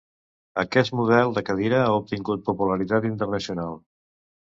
Aquest model de cadira ha obtingut popularitat internacional.